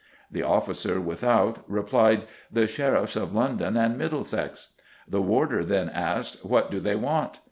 The officer without replied, 'The Sheriffs of London and Middlesex.' The warder then asked, 'What do they want?